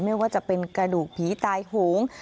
ไม่ว่าจะเป็นกระดูกผีตายโหง